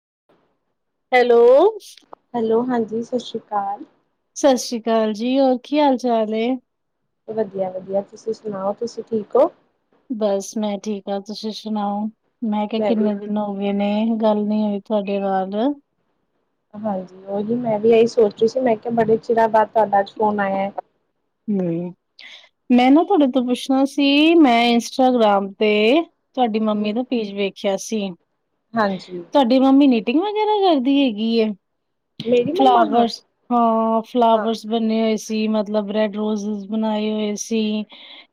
[inaudible] Hello hello ਹਾਂਜੀ ਸਤਿ ਸ਼੍ਰੀ ਅਕਾਲ ਸਤਿ ਸ਼੍ਰੀ ਅਕਾਲ ਜੀ ਹੋਰ ਕੀ ਹਾਲ ਚਾਲ ਹੇ ਵਧੀਆ ਵਧੀਆ ਤੁਸੀਂ ਸੁਣਾਓ ਤੁਸੀਂ ਠੀਕ ਹੋ ਬਸ ਮੈਂ ਠੀਕ ਹਾਂ ਤੁਸੀਂ ਸੁਣਾਓ ਮੈਂ ਕਿਹਾ ਕਿੰਨੇ ਦਿਨ ਹੋ ਗਏ ਨੇ ਗੱਲ ਨੀ ਹੋਈ ਤੁਹਾਡੇ ਨਾਲ ਹਾਂਜੀ ਉਹੀ ਮੈਂ ਵੀ ਇਹੀ ਸੋਚ ਰਹੀ ਸੀ ਮੈਂ ਕਿਹਾ ਬੜੇ ਚਿਰਾਂ ਬਾਅਦ ਤੁਹਾਡਾ ਅੱਜ ਫੋਨ ਆਇਆ ਹਮ ਮੈਂ ਨਾ ਤੁਹਾਡੇ ਤੋਂ ਪੁੱਛਣਾ ਸੀ ਮੈਂ ਇੰਸਟਾਗ੍ਰਾਮ ਤੇ ਤੁਹਾਡੀ ਮੰਮੀ ਦਾ ਪੇਜ ਵੇਖਿਆ ਸੀ ਹਾਂਜੀ ਤੁਹਾਡੀ ਮੰਮੀ ਨੀਟਿੰਗ ਵਗੈਰਾ ਕਰਦੀ ਹੈਗੀ ਹੈ ਮੇਰੀ ਮੰਮਾ ਹਾਂ ਫਲਾਵਰਸ ਹਾਂ ਹਾਂ ਫਲਾਵਰਸ ਬੰਣੇ ਹੋਏ ਸੀ ਮਤਲਬ ਰੈਡ ਰੋਜਿਜ਼ ਬਣਾਏ ਹੋਏ ਸੀ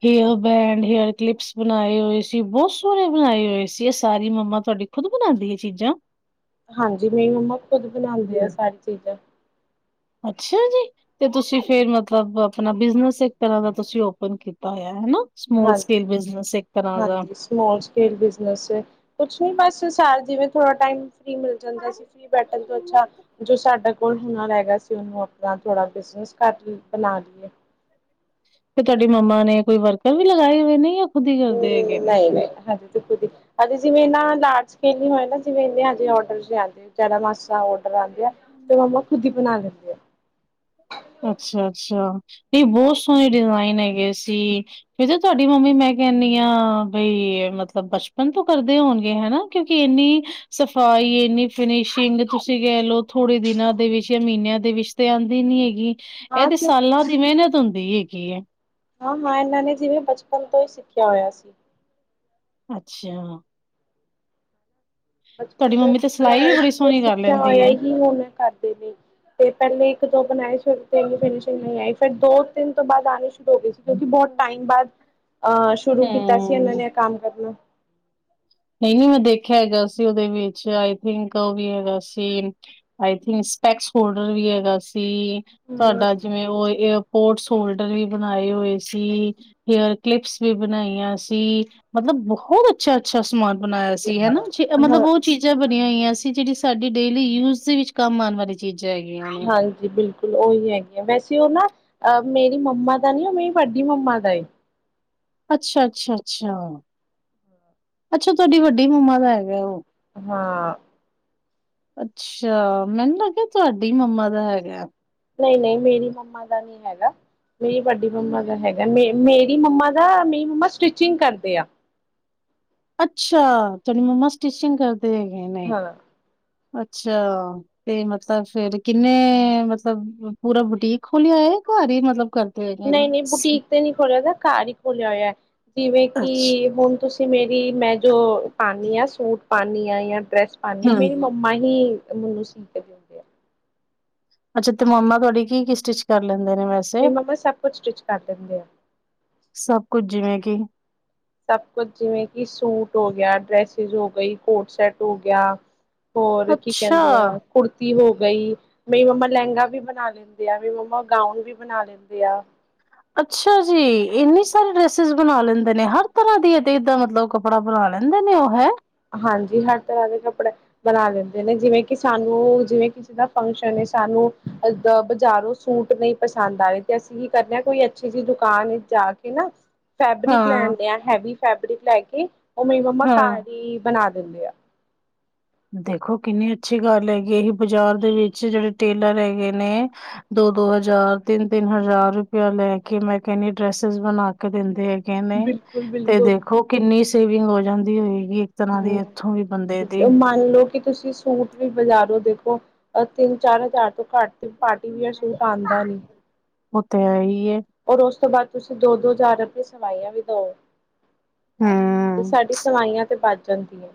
ਹੇਅਰ ਬੈਂਡ ਹੇਅਰ ਕਲਿਪਸ ਬਣਾਏ ਹੋਏ ਸੀ ਬਹੁਤ ਸੋ ਝੋਨ ਬਣਾਏ ਹੋਏ ਸੀ ਇਹ ਸਾਰੀ ਮੰਮਾ ਤੁਹਾਡੀ ਖੁਦ ਬਣਾਉਂਦੀ ਹੈ ਚੀਜ਼ਾਂ ਹਾਂਜੀ ਮ ਮੰਮਾ ਖੁਦ ਬਣਾਉਂਦੇ ਆ ਸਾਰੀ ਚੀਜ਼ਾਂ ਅੱਛਾ ਜੀ ਤੇ ਤੁਸੀਂ ਫਿਰ ਮਤਲਬ ਆਪਣਾ ਬਿਜਨਸ ਇੱਕ ਤਰ੍ਹਾਂ ਦਾ ਤੁਸੀਂ ਓਪਨ ਕੀਤਾ ਪ ਹੋਇਆ ਹਨਾ ਸਮੋਲ ਹਾਂਜੀ ਸਕੇਲ ਬਿਜਨਸ ਇੱਕ ਤਰ੍ਹਾਂ ਦਾ ਹਾਂਜੀ ਸਮ ਸਕੇਲ ਬਿਜਨਸ ਕੁਛ ਨੀ ਬਸ ਸਾਰ ਜਾਵੇ ਥੋੜਾ ਟਾਈਮ ਫਰੀ ਮਿਲ ਜਾਂਦਾ ਸੀ ਫਰੀ ਬੈਠਣ ਤੋਂ ਅੱਛਾ ਜੋ ਸਾਡਾ ਕੋਲ ਹੋਣਾ ਰਹਿਗਾ ਸੀ ਅਤੇ ਉਹਨੂੰ ਆਪਣਾ ਥੋੜ੍ਹਾ ਬਿਜਨਸ ਘੱਟ ਬਣਾ ਲਈਏ ਤੇ ਤੁਹਾਡੀ ਮਾਮਾ ਨੇ ਕੋਈ ਵਰਕਰ ਵੀ ਲਗਾਏ ਹੋਏ ਨੇ ਖੁਦ ਹੀ ਹਮ ਕਰਦੇ ਹੈਗੇ ਨੇ ਨਹੀਂ ਨਹੀਂ ਹਜੀ ਹਜੇ ਜਿਵੇਂ ਇਹ ਲਾਰਜ ਸਕ ਹੋਏ ਨਾ ਜਿਵੇਂ ਹੇ ਡ ਮ ਔਡਰ ਆਉਂਦੇ ਆ ਤੇ ਮੰਮਾ ਖੁਦ ਹੀ ਬਣਾ ਦਿੰਦੇ ਆ ਅੱਛਾ ਅੱਛਾ ਨਹੀਂ ਬਹੁਤ ਸੋਹਣੇ ਡਿਜ਼ਾਇਨ ਹੈਗੇ ਜੀ ਫ ਜ ਤੁਹਾਡੀ ਮੰਮੀ ਮੈਂ ਕਹਿੰਦੀ ਹਾਂ ਬਈ ਮਤਲਬ ਬਚਪਨ ਤੋਂ ਕਰਦੇ ਹੋਣਗੇ ਹਨ ਹਨਾ ਕਿਉਂਕਿ ਇੰਨੀ ਸਫ਼ਾਈ ਇੰਨੀ ਫਿਨਿਸ਼ਿੰਗ ਤੁਸੀਂ ਕਹਿ ਲਓ ਥੋੜੇ ਦਿਨਾਂ ਦੇ ਵਿੱਚ ਮਹੀਨਿਆਂ ਦੇ ਵਿੱਚ ਤੇ ਆਉਂਦੀ ਨੀ ਹੈਗੀ ਇਹ ਹਾਂ ਤੇ ਕਿਉਂ ਸਾਲਾਂ ਦੀ ਮਿਹਨਤ ਹੁੰਦੀ ਹੈਗੀ ਹੈ ਹਾਂ ਹਾਂ ਇਹਨਾਂ ਨੇ ਜਿਵੇਂ ਬਚਪਨ ਤੋਂ ਹੀ ਸਿੱਖਿਆ ਹੋਇਆ ਸੀ ਅੱਛਾ ਬਚਪਨ ਤੁਹਾਡੀ ਤੋਂ ਹੀ ਮੰਮੀ ਤੇ ਸਿੱਖਿਆ ਸਿਲਾਈ ਹੋਇਆ ਵੀ ਬੜੀ ਸੀ ਤੇ ਸੋਹਣੀ ਕਰ ਸਿੱਖਿਆ ਲੈਂਦੀ ਹੋਇਆ ਏ। ਹੀ ਹੁਣ ਕਰਦੇ ਲਈ ਤੇ ਪਹਿਲੇ ਇੱਕ ਦੋ ਬਣਾਏ ਸ਼ੁਰੂ ਤੇਗੀ ਫਿਨਸ਼ਿੰਗ ਨਹੀਂ ਆਈ ਫਿਰ ਦੋ ਤਿੰਨ ਤੋਂ ਬਾਅਦ ਆਉਣੀ ਸ਼ੁਰੂ ਹੋ ਗਏ ਸੀ ਕਿਉਂਕਿ ਬਹੁਤ ਟਾਈਮ ਬਾਅਦ ਅਹ ਸ਼ੁਰੂ ਕੀਤਾ ਸੀ ਇਹਨਾਂ ਹੂੰ। ਨੇ ਕੰਮ ਕਰਨਾ ਜ ਮੈਂ ਦੇਖਿਆ ਹੈਗਾ ਸੀ ਉਹਦੇ ਵਿੱਚ ਆਈ ਥਿੰਕ ਉਹ ਵੀ ਹੈਗਾ ਸੀ ਆਈ ਥਿੰਕ ਸਪੈਕਸ ਫੋਲਡਰ ਵੀ ਹੈਗਾ ਸੀ ਤੁਹਾਡਾ ਹਾਂ ਜਿਵੇਂ ਉਹ ਸਪੋਰਟਸ ਹੋਲਡਰ ਵੀ ਬਣਾਏ ਹੋਏ ਸੀ ਹੇਅਰ ਕਲਿਪਸ ਵੀ ਬਣਾਈਆਂ ਸੀ ਮਤਲਬ ਬਹੁਤ ਅੱਛਾ ਅੱਛਾ ਸਮਾਨ ਬਣਾਇਆ ਸੀ ਹਨਾ ਜ ਮਤਲਬ ਹਾਂ ਉਹ ਚੀਜ਼ਾਂ ਹੋਈਆਂ ਸੀ ਜਿਹੜੀ ਸਾਡੀ ਡੇਲੀ ਯੂਜ ਦੇ ਵਿੱਚ ਕੰਮ ਆਉਣ ਵਾਲੀ ਚੀਜ਼ ਹਾਂਜੀ ਬਿਲਕੁਲ ਉਹੀ ਹੈਗੀੀਆਂ ਵੈਸੇ ਉਹ ਨਾ ਅਹ ਮੇਰੀ ਮੰਮਾ ਦਾ ਨੀ ਉਹ ਮੇਰੀ ਵਡੀ ਮੰਮਾ ਦਾ ਏ ਅੱਛਾ ਅੱਛਾ ਅੱਛਾ ਅੱਛਾ ਤੁਹਾਡੀ ਵੱਡੀ ਮੰਮਾ ਦਾ ਹੈਗਾ ਉਹ ਹਾਂ ਅੱਛਾ, ਮੈਨੂੰ ਲੱਗਿਆ ਤੁਹਾਡੀ ਮੰਮਾ ਦਾ ਹੈਗੇ। ਨਹੀਂ ਨਹੀਂ ਮੇਰੀ ਮੰਮਾ ਦਾ ਨਹੀਂ ਹੈਗਾ। ਮੇਰੀ ਵੱਡੀ ਮੰਮਾ ਦਾ ਹੈਗਾ ਮੇ ਮੇਰੀ ਮੰਮਾ ਦਾ ਮੇਰੀ ਮੰਮਾ ਸਟਿਚਿੰਗ ਕਰਦੇ ਆ ਅੱਛਾ ਤੇ ਮਮਾ ਸਟੀਚ ਹਾਂ। ਅੱਛਾ ਤੇ ਮਤਲਬ ਫੇਰ ਕਿੰਨੇ ਮਤਲਬ ਪੂਰਾ ਬੁਟੀਕ ਖੋਲਿਆ ਏ ਘਰ ਹੀ ਮਤਲਬ ਕਰਦ ਨਹੀਂ ਨਹੀਂ ਬੁਟੀਕ ਤੇ ਨਹੀਂ ਖੋਲ੍ਹਿਆਦਾ ਘਰ ਹੀ ਖੋਲਿਆ ਹੋਇਆ ਜਿਵੇਂ ਅੱਛਾ ਕਿ ਹੁਣ ਤੁਸੀਂ ਮੇਰੀ ਮੈਂ ਜੋ ਪਾਨੀ ਆ ਸੂਟ ਪਾਨੀ ਹਾਂ ਜਾਂ ਡਰੈਸ ਪਾਨੀ ਆ ਹਮ ਮੇਰੀ ਮੰਮਾ ਹੀ ਮੈਨੂੰ ਸੀ ਕੇ ਦਿੰਦੇ ਆ ਅੱਛਾ ਤੇ ਮੰਮਾ ਤੁਹਾੜੀ ਕੀ ਕੀ ਸਟਿੱਚ ਕਰ ਲੈਂਦਾ ਹੁੰਦੇ ਨੇ ਵੈਸੇ, ਮੇਰੀ ਮੰਮਾ ਸਭ ਕੁਛ ਸਟਿਚ ਕਰ ਦਿੰਦੇ ਆ ਸਭ ਕੁੱਝ ਜਿਵੇਂ ਕਿ ਸਭ ਕੁਝ ਜਿਵੇਂ ਕਿ ਸੂਟ ਹੋ ਗਿਆ ਡ੍ਰੈਸਿਸ ਹੋ ਗਈ ਕੋਟ ਸੈਟ ਹੋ ਗਿਆ ਹੋਰ ਕੀ ਅੱਛਾ ਕਹਿੰਦੇ ਆ ਕੁੜ ਹੋ ਗਈ ਮੇਰੀ ਮੰਮਾ ਲਹਿੰਗਾ ਵੀ ਬਣਾ ਲੈਂਦੇ ਆ, ਮੇਰੀ ਮੰਮਾ ਗਾਊਨ ਵੀ ਬਣਾ ਲੈਂਦੇ ਆ। ਅੱਛਾ ਜੀ ਇੰਨੀ ਸਾਰੇ ਡਰੈਸਿਸ ਬਣਾ ਲੈਂਦੇ ਨੇ ਹਰ ਤਰ੍ਹਾਂ ਦੀ ਏਦਾਂ ਮਤਲਬ ਕੱਪੜਾ ਬਣਾ ਲੈਂਦੇ ਨੇ ਉਹ, ਹੈ! ਹਾਂਜੀ ਹਰ ਤਰ੍ਹਾਂ ਦੇ ਕੱਪੜੇ ਬਣਾ ਲੈਂਦੇ ਨੇ ਜਿਵੇਂ ਕਿ ਸਾਨੂੰ ਜਿਵੇਂ ਕਿਸੇ ਦਾ ਫੰਕਸ਼ਨ ਏ ਸਾਨੂੰ ਅ ਬਜ਼ਾਰੋਂ ਸੂਟ ਨਹੀਂ ਪਸੰਦ ਆਵੇ ਤੇ ਅਸੀਂ ਕੀ ਕਰਨੇ ਹ ਕੋਈ ਅੱਛੀ ਜਿਹੀ ਦੁਕਾਨ ਜਾ ਕੇ ਨਾ ਫੈਬਰਿਕ ਹਾਂ ਲੈਨਡੇ ਆ ਹੈਵੀ ਫੈਬਰਿਕ ਲੈ ਕੇ ਓ ਮੇਰੀ ਮੰਮਾ ਹਾਂ ਘਰ ਹੀ ਬਣਾ ਦਿੰਦੇ ਆ। ਦੇਖੋ ਕਿੰਨੀ ਅੱਛੀ ਗੱਲ ਹੈਗੀ [unintelligible] ਬਾਜ਼ਾਰ ਦੇ ਵਿੱਚ ਜੇੜ੍ਹੇ ਟੇਲਰ ਹੈਗੇ ਨੇ ਦੋ ਦੋ-ਦੋ ਹਜ਼ਾਰ ਤਿੰਨ -ਤਿੰਨ ਹਜ਼ਾਰ ਰੁਪਇਆ ਲੈ ਕੇ ਮੈਂ ਕੈਨੀ ਡਰੈਸਸ ਬਣਾ ਕੇ ਦਿੰਦੇ ਹੈ [unintelligible] ਤੇ ਬਿਲਕੁਲ-ਬਿਲਕੁਲ ਦੇਖੋ ਕਿੰਨੀ ਸੇਵਿੰਗ ਹੋ ਜਾਂਦੀ ਹੋਈ ਗੀ ਵੀ ਇੱਕ ਤਰ੍ਹਾਂ ਦੀ ਇੱਥੋਂ ਵੀ ਬੰਦੇ ਦੀ ਕੀ ਤੁਸੀਂ ਸੂਟ ਵੀ ਬਾਜ਼ਾਰੋ ਦੇਖੋ ਅ ਤਿੰਨ ਚਾਰ ਹਜ਼ਾਰ ਤੋਂ ਘੱਟ ਤੇ ਪਾਰਟੀਵੇਅਰ ਸੂਟ ਆਂਦਾ ਨੀ ਓ ਤੇ ਹੈ ਈ ਔਰ ਓਸ ਤੋਂ ਬਾਦ ਤੁਸੀਂ ਦੋ-ਦੋ ਹਜਾਰ ਅਪਨੀ ਸਵਾਈਆਂ ਵੀ ਦੋ ਤੇ ਹੂੰ, ਸਾਡੀ ਸਵਾਈਆਂ ਤੇ ਬਚ ਜਾਂਦੀਆਂ।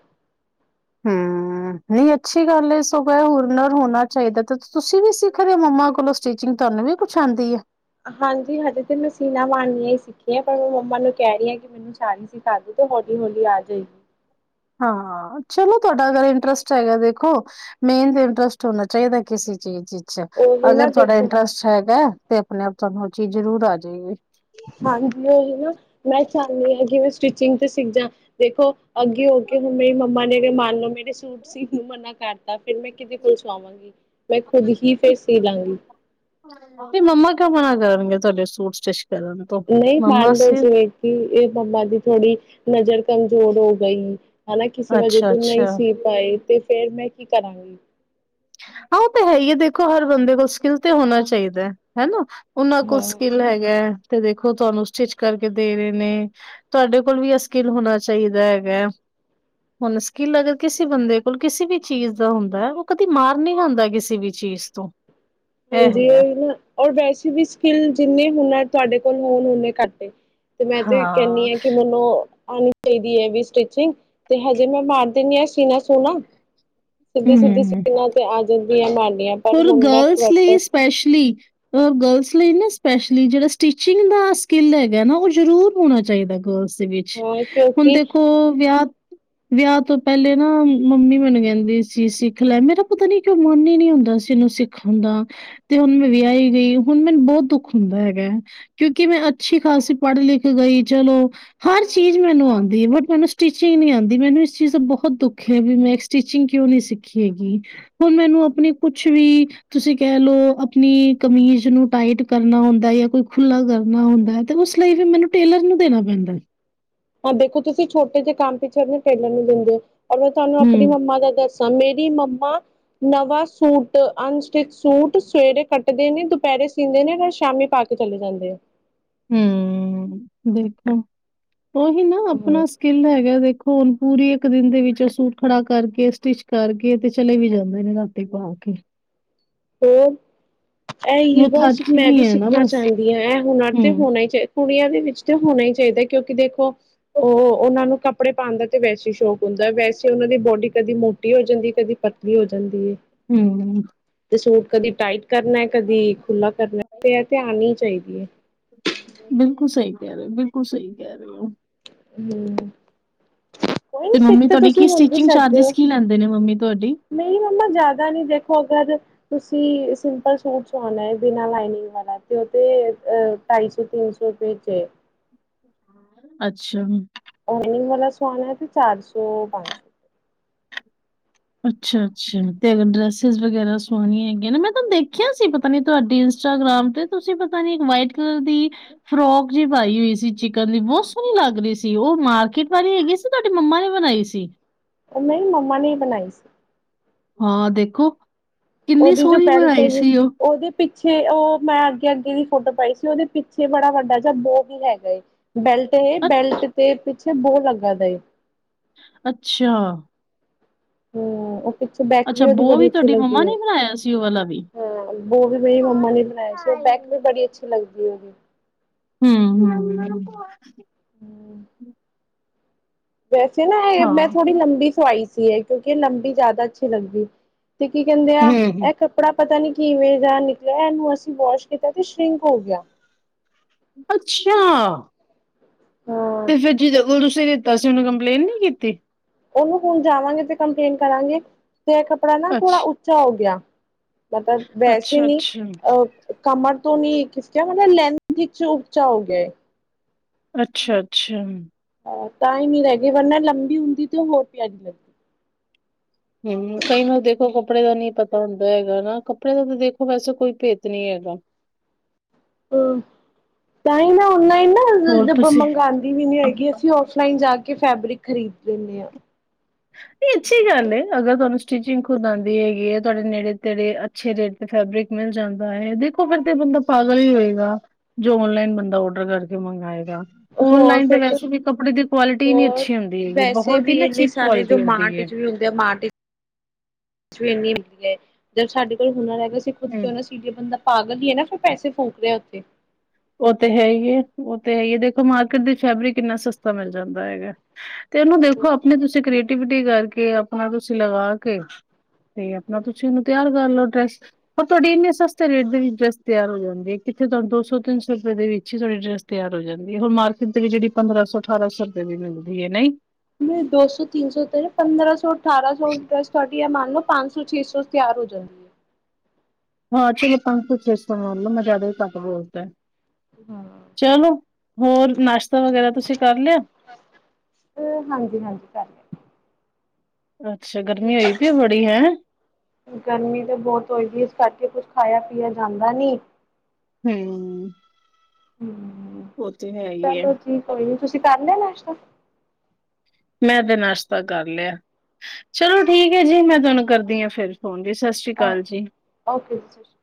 ਹੂੰ ਹੂੰ ਨਈ ਅੱਛੀ ਗੱਲ ਐ ਸਗੋਂ ਏ ਹੁਨਰ ਹੋਨਾ ਚਾਈਦਾ ਤੇ ਤੁਸੀਂ ਵੀ ਸਿੱਖ ਰੇ ਓ ਮੰਮਾ ਕੋਲੋਂ ਸਟਿ ਹਾਂਜੀ ਹਜੀ ਤੇ ਸੀਨਾ ਮਾਰ ਨੀਆਂ ਈ ਸਿੱਖੀਆਂ ਪਰ ਮੈਂ ਮੰਮਾ ਨੂੰ ਕੈ ਰੀ ਆ ਕਿ ਮੈਨੂੰ ਸਾਰੀ ਸਿਖਾ ਦੋ ਤੇ ਹੌਲੀ ਹੌਲੀ ਆ ਜੇਗੀ । ਹਾਂ ਚਲੋ ਤੁਹਾਡਾ ਅਗਰ ਇੰਟਰਸਟ ਹੈਗਾ ਦੇਖੋ ਮੇਨ ਤੇ ਇੰਟਰਸਟ ਹੋਣਾ ਚਾਹੀਦਾ ਕਿਸੇ ਵੀ ਚੀਜ ਚ ਉਹ ਵੀ ਨਾ ਅਗਰ ਤੁਹਾਡਾ ਦੇਖੋ ਇੰਟਰਸਟ ਹੈਗਾ ਤੇ ਅਪਨੇ ਆਪ ਤੁਹਾਨੂੰ ਓ ਚੀਜ਼ ਜ਼ਰੂਰ ਆਜੇਗੀ। ਹਾਂਜੀ ਉਹੀ ਨਾ ਮੈਂ ਚਾਹੁੰਦੀ ਹਾਂ ਕਿ ਮੈਂ ਸਟਿਚਿੰਗ ਤੇ ਸਿੱਖ ਜਾ ਦੇਖੋ ਅੱਗੇ ਹੋ ਕੇ ਹੁਣ ਮੇਰੀ ਮੰਮਾ ਨੇ ਮੰਨ ਲਓ ਮੇਰੇ ਸੂਟ ਸੀਨ ਨੂੰ ਮਨਾ ਕਰਤਾ ਫੇਰ ਮੈਂ ਕਿਦੇ ਕੋ ਸੁਆਵਾਂਗੀ ਮੈਂ ਖੁਦ ਹੀ ਫੇਰ ਸੀ ਲਾਂਗੀ। ਫੇਰ ਮੰਮਾ ਕ ਕਰਨ ਗੇ ਤੁਹਾਡੇ ਸੂਟ ਸਟਿਚ ਤੋਂ ਨਈ, ਮਨ ਮੰਮਾ ਲੌ ਸੀ ਜੇ ਕਿ ਏ ਮੰਮਾ ਦੀ ਥੋੜੀ ਨਜ਼ਰ ਕਮਜ਼ੋਰ ਹੋ ਗਈ ਹੈਨਾ ਕਿਸੇ ਵਜ੍ਹੇ ਅੱਛਾ ਤੋਂ ਨਈ ਅੱਛਾ ਸੀ ਪਾਏ ਤੇ ਫੇਰ ਮੈਂ ਕੀ ਕਰਾਂਗੀ? ਹਾਂ ਪ ਤਾਂ ਹੈ ਈ ਐ ਦੇਖੋ ਹਰ ਬੰਦੇ ਕੋਲ ਸਕਿੱਲ ਤੇ ਹੋਨਾ ਚਾਹੀਦਾ, ਹੈਨਾ। ਓਨਾਂ ਕੁਲ ਹਾਂ ਸਕਿੱਲ ਹੈਗੇ। ਤੇ ਦੇਖੋ ਤੁਹਾਨੂੰ ਸਟਿਚ ਕਰਕੇ ਦੇ ਰੇ ਨੇ ਤੁਹਾਡੇ ਕੋਲ ਵੀ ਏ ਸਕਿੱਲ ਹੋਣਾ ਚਾਹੀਦਾ ਹੈਗਾ ਮ ਹੁਣ ਸਕਿੱਲ ਅਗਰ ਕਿਸੇ ਬੰਦੇ ਕੋਲ ਕਿਸੇ ਵੀ ਚੀਜ਼ ਦਾ ਹੁੰਦਾ ਹੈ ਓ ਕ ਦੀ ਮਾਰ ਨੀ ਖਾਂਦਾ ਕਿਸੀ ਵੀ ਚੀਜ਼ ਤੋਂ ਇਹ ਹਾਂਜੀ ਹੈਗਾ ਔਰ ਵੈਸੇ ਵੀ ਸਕਿੱਲ ਜਿੰਨੇ ਹੁਨ ਤੁਹਾਡੇ ਕੋਲ ਹੋਣ ਉਨੇ ਘੱਟ ਏ ਤੇ ਮੈਂ ਤੇ ਹਾਂ। ਕੈਨੀ ਆ ਕਿ ਮੈਨੂੰ ਆਉਣੀ ਚਾਈਦੀ ਐ ਵੀ ਸਟਿਚਿੰਗ ਤੇ ਹਜੇ ਮੈਂ ਮਾਰ ਦਿੰਨੀ ਆ ਸੀਨਾ ਸੂਨਾ ਸਿੱਧੀ-ਸਿੱਧੀ ਸੀਨਾ ਤੇ ਆ ਜਾਂਦੀ ਐ ਮਾਰ ਹੁਰ ਗਰਲਸ ਲਈ ਸਪੈਸ਼ਲੀ ਗਰਲਸ ਲਈ ਨਾ ਸਪੈਸ਼ਲੀ ਜੇੜਾ ਸਟਿਚਿੰਗ ਦਾ ਸਕਿੱਲ ਹੈਗਾ ਨਾ ਓ ਜਰੂਰ ਹੋਣਾ ਚਾਈਦਾ ਗਰਲਸ ਦੇ ਵਿੱਚ ਹਾਂ ਹੁਣ ਕਿਉਂਕਿ ਦੇਖੋ ਵਿਆਹ ਵਿਆਹ ਤੋਂ ਪਹਿਲੇ ਨਾ ਮੰਮੀ ਮੈਨੂੰ ਕੈਂਦੀ ਸੀ ਸਿੱਖ ਲੈ ਮੇਰਾ ਪਤਾ ਨੀ ਕਿਉਂ ਮਨ ਈ ਨੀ ਹੁੰਦਾ ਸੀ। ਕਿਸੇ ਨੂੰ ਸਿੱਖਣ ਦਾ ਤੇ ਹੁਣ ਮੈਂ ਵਿਆਈ ਗਈ ਹੁਣ ਮੈਨੂੰ ਬੋਤ ਦੁੱਖ ਹੁੰਦਾ ਹੈਗਾ ਕਿਉਂਕਿ ਮੈਂ ਅੱਛੀ ਖਾਸੀ ਪੜ੍ਹ ਲਿਖ ਗਈ ਚਲੋ ਹਰ ਚੀਜ਼ ਮੈਨੂੰ ਓਦੀ ਐ ਬਟ ਮੈਨੂੰ ਸਟੀਿਚਿੰਗ ਨੀ ਆਂਦੀ ਮੈਨੂੰ ਇਸ ਚੀਜ਼ ਦਾ ਬਹੁਤ ਦੁੱਖ ਐ ਵੀ ਮੈਂ ਸਟੀਿਚਿੰਗ ਕਿਉਂ ਨੀ ਸਿੱਖੀ ਹੈਗੀ ਹੁਣ ਮੈਨੂੰ ਆਪਣੀ ਕੁੱਛ ਵੀ ਤੁਸੀਂ ਕੈ ਲੋ ਆਪਣੀ ਕਮੀਜ਼ ਨੂੰ ਟਾਈਟ ਕਰਨਾ ਹੁੰਦਾ ਜਾਂ ਕੋਈ ਖੁੱਲਾ ਕਰਨਾ ਨਾ ਹੁੰਦਾ ਤੇ ਉਸ ਲਈ ਵੀ ਮੈਨੂੰ ਟੇਲਰ ਨੂੰ ਦੇਣਾ ਪੈਂਦਾ ਹਾਂ ਦੇਖੋ ਤੁਸੀਂ ਛੋਟੇ ਜੇ ਕੰਮ ਪਿੱਛੇ ਆਪਣੇ ਟੇਲਰ ਨੂੰ ਦਿੰਦੇ ਓ ਅਰ ਮੈਂ ਤੁਹਾਨੂੰ ਆਪਣੀ ਹੂੰ, ਮੰਮਾ ਦਾ ਦੱਸ ਦਾ ਮੇਰੀ ਮੰਮਾ ਨਵਾਂ ਸੂਟ ਅਨਸਟਿਚ ਸੂਟ ਸਵੇਰੇ ਕੱਟਦੇ ਨੇ ਦੁਪਹਿਰੇ ਸੀਂਦੇ ਨੇ ਨਾਲ ਸ਼ਾਮੀ ਪਾ ਕੇ ਚਲੇ ਜਾਂਦੇ ਆ। ਹੂੰ ਦੇਖੋ ਇਹੀ ਨਾ ਹਾਂ ਆਪਣਾ ਸਕਿੱਲ ਹੈਗਾ ਦੇਖੋ ਹੁਣ ਪੂਰੀ ਇੱਕ ਦਿਨ ਦੇ ਵਿੱਚ ਸੂਟ ਖੜਾ ਕਰਕੇ ਸਟਿਚ ਕਰਕੇ ਤੇ ਚਲੇ ਵੀ ਜਾਂਦੇ ਨੇ ਰਾਤੀ ਪਾ ਕੇ। [inaudible] ਹੋਰ ਇਹ ਯਵਾ ਮੁਥਾਜ ਹੀ ਮੈਂ ਵੀ ਨਹੀਂ ਹੈ ਨਾ ਸਿੱਖਣਾ ਬਸ ਚਾਹੁੰਦੀ ਹਾਂ ਇਹ ਹੁਨਰ ਹੂੰ ਤੇ ਹੋਣਾ ਹੀਾ ਕੁੜੀਆਂ ਦੇ ਵਿੱਚ ਤੇ ਹੋਣਾ ਹੀ ਚਾਹੀਦਾ ਕਿਉਂਕਿ ਦੇਖੋ ਉਹ ਉਹਨਾਂ ਨੂੰ ਕੱਪੜੇ ਪਾਉਣ ਦਾ ਤੇ ਵੈਸੇ ਸ਼ੌਕ ਹੁੰਦਾ ਵੈਸੇ ਉਹਨਾਂ ਦੀ ਬੋਡੀ ਕਦੀ ਮੋਟੀ ਹੋ ਜਾਂਦੀ ਕਦੀ ਪਤਲੀ ਹੋ ਜਾਂਦੀ ਹੈ ਹਮ ਤੇ ਸੂਟ ਕਦੀ ਟਾਈਟ ਕਰਨਾ ਕਦੀ ਖੁੱਲ੍ਹਾ ਕਰਨਾ ਤੇ ਇਹ ਧਿਆਨ ਹੀ ਚਾਹੀਦੀ ਹੈ ਬਿਲਕੁਲ ਸਹੀ ਕਹਿ ਰਹੇ ਬਿਲਕੁਲ ਸਹੀ ਕਹਿ ਰਹੇ ਹੋ ਹਮ ਕੋਈ ਨੀ ਤੇ ਸਿੱਖ ਮੰਮੀ ਤੁਹਾਡੀ ਤੁਸੀਂ ਕੀ ਹੁਣ ਵੀ ਸਟਿਚਿੰਗ ਸਕਦੇ ਚਾਰਜਿਸ ਹੋ ਕੀ ਲੈਂਦੇ ਨੇ ਮੰਮੀ ਤੁਹਾਡੀ ਨਹੀਂ ਮੰਮਾ ਜ਼ਿਆਦਾ ਨੀ ਦੇਖੋ ਅਗਰ ਤੁਸੀਂ ਸਿੰਪਲ ਸੂਟ ਸਵਾਉਣਾ ਹੈ ਬਿਨਾਂ ਲਾਈਨਿੰਗ ਵਾਲਾ ਤੇ ਉਹ ਤੇ ਅਹ ਢਾਈ ਸੌ ਤਿੰਨ ਸੌ ਸੌਪੇ ਚ ਅੱਛਾ ਓਨਿੰਗ ਵਾਲਾ ਸਆਾਨ ਤੇ ਚਾਰ ਸੌ ਪੰਜ ਸੌ ਰਪਏ ਅੱਛਾ ਅੱਛਾ ਤੇ ਅਗਰ ਡਰੈਸਿਸ ਵਗੈਰਾ ਸੋਣੀਆਂ ਹੈਗੀਆਂ ਨਾ ਮੈਂ ਤੁਹਾਨੂੰ ਦੇਖਿਆ ਸੀ ਪਤਾ ਨੀ ਤੁਹਾਡੀ ਇੰਸਟਾਗ੍ਰਾਮ ਤੇ ਤੁਸੀਂ ਪਤਾ ਨੀ ਇੱਕ ਵਾਈਟ ਕਲਰ ਦੀ ਫਰੋਕ ਜਿ ਪਾਈ ਹੋਈ ਸੀ ਚਿਕਨ ਦੀ ਬਹੁਤ ਸੋਹਣੀ ਲੱਗ ਰਹੀ ਸੀ ਉਹ ਮਾਰਕੀਟ ਵਾਲੀ ਹੈਗੀ ਸੀ ਤੁਹਾਡੀ ਮੰਮਾ ਨੇ ਬਣਾਈ ਸੀ ਉਹ ਨਹੀਂ ਮੰਮਾ ਨੇ ਬਣਾਈ ਸੀ ਹਾਂ ਦੇਖੋ ਕਿੰਨੀ ਉਹਦੀ ਜੋ ਸੋਹਣੀ ਬੈਲਟ ਬਣਾਈ ਹੈਗੀ ਸੀ ਉਹ ਉਹਦੇ ਪਿੱਛੇ ਉਹ ਮੈਂ ਅੱਗੇ ਅੱਗੇ ਦੀ ਫੋਟੋ ਪਾਈ ਸੀ ਉਹਦੇ ਪਿੱਛੇ ਬੜਾ ਵੱਡਾ ਜਾਂ ਬੋ ਵੀ ਹੈਗਾ ਬੈਲਟ ਇਹ ਅ ਬੈਲਟ ਤੇ ਪਿੱਛੇ ਬਹੁਤ ਲੱਗਾ ਦਾ ਅੱਛਾ ਹਮ ਉਹ ਪਿੱਛੋਂ ਬੈਕ ਅੱਛਾ ਵੀ ਉਹਦੀ ਬੋ ਬੜੀ ਅੱਛੀ ਤੁਹਾਡੀ ਮੰਮਾ ਲੱਗਦੀ ਹੈ ਨੇ ਬਣਾਇਆ ਸੀ ਉਹ ਵਾਲਾ ਵੀ? ਹਾਂ ਬੋ ਵੀ ਮੇਰੀ ਮੰਮਾ ਨੇ ਬਣਾਇਆ ਸੀ ਉਹ ਬੈਕ ਵੀ ਬੜੀ ਅੱਛੀ ਲੱਗਦੀ ਉਹ ਹਮ ਹਮ ਵੈਸੇ ਨਾ ਇਹ ਮੈਂ ਹਾਂ, ਥੋੜ੍ਹੀ ਲੰਬੀ ਸਵਾਈ ਸੀ ਇਹ ਕਿਉਂਕਿ ਇਹ ਲੰਬੀ ਜ਼ਿਆਦਾ ਅੱਛੀ ਲੱਗਦੀ ਤੇ ਕੀ ਕਹਿੰਦੇ ਆ ਹੂੰ, ਹੂੰ ਇਹ ਕੱਪੜਾ ਪਤਾ ਨੀ ਕੀ ਇਵੇਂ ਦਾ ਨਿਕਲਿਆ। ਇਹਨੂੰ ਅਸੀਂ ਵਾਸ਼ ਕੀਤਾ ਤੇ ਸ਼ਿੰਕ ਹੋ ਗਿਆ। ਅੱਛਾ! ਤੇ ਫਿਰ ਜਿਹਦੇ ਕੋਲ ਤੁਸੀਂ ਲੀਤਾ ਸੀ ।ਉਹਨੂੰ ਕੰਪਲੇਂਟ ਨਹੀਂ ਕੀਤੀ।। ਉਹਨੂੰ ਹੁਣ ਜਾਵਾਂਗੇ ਤੇ ਕੰਪਲੇਂਟ ਕਰਾਂਗੇ। ਤੇ ਇਹ ਕੱਪੜਾ ਨਾ ਥੋੜ੍ਹਾ ਅੱਛ ਉੱਚਾ ਹੋ ਗਿਆ। ਮਤਲਬ ਵੈਸੇ ਨੀ ਅੱਛਾ-ਅੱਛਾ। ਅਹ ਕਮਰ ਤੋਂ ਨਹੀਂ ਖਿਸਕਆ ਮਤਲਬ ਲੈਂਥ ਇੱਕ ਉਚਾ ਹੋ ਗਿਆ। ਅੱਛਾ- ਅੱਛਾ। ਤਾਂ ਹੀ ਨੀ ਰਹਿ ਗੀ। ਵਰਨਾ ਲੰਬੀ ਹੁੰਦੀ ਤੇ ਉਹ ਹੋਰ ਪਿਆਰੀ ਲੱਗਦੀ। ਹਮ, ਕਈ ਨਾ ਦੇਖੋ ਕੱਪੜੇ ਦਾ ਨਹੀਂ ਪਤਾ ਹੁੰਦਾ ਹੈਗਾ ਨਾ। ਕੱਪੜੇ ਦਾ ਤਾਂ ਦੇਖੋ ਵੈਸੇ ਕੋਈ ਭੇਦ ਨੀ ਹੈਗਾ। ਹਹ ।ਤਹੀ ਨਾ ਔਨਲਾਈਨ ਨਾ ਹੋਰ ਜ, ਤੁਸੀਂ ਮੰਗਵਾਉਂਦੀ ਵੀ ਨੀ ਹੈਗੀ ।ਅਸੀਂ ਔਫਲਾਈਨ ਜਾ ਕੇ ਕੇ ਫੈਬਰਿਕ ਖਰੀਦ ਲੈਂਦੇ ਹਾਂ। ਇਹ ਅੱਛੀ ਗੱਲ ਏ, ਅਗਰ ਤੁਹਾਨੂੰ ਸਟਿਚਗ ਖੁਦ ਆਉਂਦੀ ਹੈਗੀ ਹੈ ਤੁਹਾਡੇ ਨੇੜੇ- ਤੇੜੇ ਅੱਛੇ ਰੇਟ ਤੇ ਫੈਬਰਿਕ ਮਿਲ ਜਾਂਦਾ ਹੈ ਦੇਖੋ, ਫੇਰ ਤੇ ਬੰਦਾ ਪਾਗਲ ਹੀ ਹੋਏਗਾ। ਜੋ ਓਨਲਾਈਨ ਬੰਦਾ ਔਡਰ ਕਰਕੇ ਮੰਗਵਾਏਗਾ। ਹੋਰ ਔਨਲਾਈਨ ਤੇ ਫਿਰ ਵੈਸੇ ਵੀ ਕੱਪੜੇ ਦੀ ਕੁਆਲਿਟੀ ਨੀ ਹੋਰ ਅੱਛੀ ਹੁੰਦੀ ਹੈਗੀ ਵੈਸੇ ਬਹੁਤ ਹੀ ਵੀ ਨਾ ਇੰਨੇ ਚਿਪ ਸਾਰੇ ਜੋ ਮਾਂ ਟੀਚਰ ਵੀ ਹੁੰਦੇ ਆ। ਮਾਂ ਟੀਚ [unintelligible] ਜਦ ਸਾਡੇ ਕੋਲੁਰ ਹੈਗਾ ਅਂ ਖੁਦ ਹੂੰ, ਕਿਂ ਸੀ ਬੰਦਾ ਪਾਗਲ ਹੀਏ ਨਾ ਫਿਰ ਪੈਸੇ ਫੂਕ ਰਿਹਾ ਉੱਥੇ ਉਹ ਤੇ ਹੈ ਹੀ ਹੈ। ਉਹ ਤੇ ਹੈਗੀਏ। ਦੇਖੋ ਮਾਰਕੀਟ ਦੀ ਫੈਬਰਿਕ ਕਿੰਨਾ ਸਸਤਾ ਮਿਲ ਜਾਂਦਾ ਹੈਗਾ। ਤੇ ਉਹਨੂੰ ਦੇਖੋ ਆਪਣੀ ਤੁਸੀਂ ਕ੍ਰੀਏਟੀਿਵਿਟੀ ਕਰਕੇ ਆਪਣਾ ਤੁਸੀਂ ਲਗਾ ਕੇ ਤੇ ਆਪਣਾ ਤੁਸੀਂ ਇਹਨੂੰ ਤਿਆਰ ਕਰ ਲਓ ਡਰੈਸ। ਪਰ ਤੁਹਾਡੀ ਇੰਨੇ ਸਸਤੇ ਰੇਟ ਦੇ ਵਿੱਚ ਡਰੈਸ ਤਿਆਰ ਹੋ ਜਾਂਦੀ ਹੈ। ਜਿਹੇ ਤਹਾਨੂੰ ਦੋ ਸੌ ਤਿੰਨ ਸੌ ਸੌ ਰੁਪਏ ਦੇ ਵਿੱਚ ਹੀ ਤੁਹਾਡੀ ਡਰੈਸ ਤਿਆਰ ਹੋ ਜਾਂਦੀ। ਹੁਣ ਮਾਰਕੀਟ ਦੇ ਜਿਹੜੀ ਪੰਦਰਾਂ ਸੌ, ਅਠਾਰਾਂ ਸੌ ਰੁਪਏ ਦੀ ਮਿਲਦੀ ਹੈ ਨਹੀਂ। ਦੋ ਸੌ, ਤਿੰਨ ਸੌ ਤੇਰੇ ਪੰਦਰਾਂ ਸੌ, ਅਠਾਰਾਂ ਸੌ ਤੁਹਾਡੀ ਮੰਨ ਲਓ ਪੰਜ ਸੌ, ਛੇ ਸੌ ਤਿਆ। ਸ। [unintelligible] ਹ। [unintelligible] ਹਾਂ ਪੰਜ- ਛੇ ਸੌ ਮਨ ਲੋ, ਮੈਂ ਜ਼ਿਆਦਾ ਹੀ ਕੱਟ ਬੋਲਤ ਹੈ। ਹਾਂ। ਚਲੋ ।ਹੋਰ, ਨਾਸ਼ਤਾ ਵਗੈਰਾ ਤੁਸੀਂ ਕਰ ਲਿਆ। ਅ, ਹਾਂਜੀ -ਹਾਂਜੀ ਕਰ ਲ। ਅੱਛਾ। ਗਰਮੀ ਹੋਈ ਪਈ ਬੜੀ ਹੈ ਗਰਮੀ ਤਾਂ ਬਹੁਤ ਹੋਏਗੀ ਇਸ ਕਰਕੇ ਕੁਛ ਖਾਇਆ- ਪੀਆ ਜਾਂਦਾ ਨੀ। ਹਮ। ਹਮ। ਹੋ ਤੇ ਹੈ ਹੀ। ਤੁਸੀਂ ਕਰ ਲੇ ਨਾਸ਼ਤਾ। ਮੈਂ ਤੇ ਨਾਸ਼ਤਾ ਕਰ ਲਿਆ। ਚਲੋ, ਠੀਕ ਹੈ ਜੀ। ਮੈਂ ਤੁਹਾਨੂੰ ਕਰਦੀ ਹਾਂ ਫਿਰ ਹੁਣ ਜੀ, ਸਤਿ ਸ੍ਰੀ ਅਕਾਲ ਜੀ। ਓਕੇ ਜੀ ਸਤਿ ਸ਼੍ਰੀ ਅਕਾਲ।